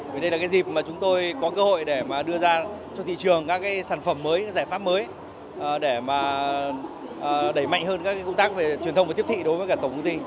vì đây là dịp chúng tôi có cơ hội để đưa ra cho thị trường các sản phẩm mới giải pháp mới để đẩy mạnh hơn các công tác về truyền thông và tiếp thị đối với tổng công ty